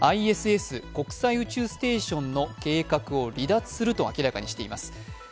ＩＳＳ＝国際宇宙ステーションの計画を離脱すると明らかにしています。